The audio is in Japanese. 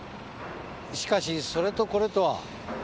しかしそれとこれとは。